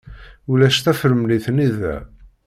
Ulac tafremlit-nni da.